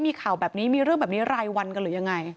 มีข่าวแบบนี้มีเรื่องแบบนี้รายวันกันหรือยังไง